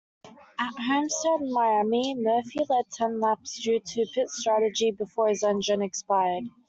At Homestead-Miami, Murphy led ten laps due to pit strategy before his engine expired.